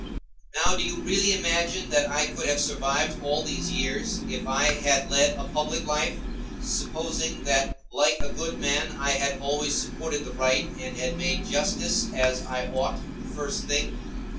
Now do you really imagine that I could have survived all these years, if I had led a public life, supposing that like a good man I had always supported the right and had made justice, as I ought, the first thing?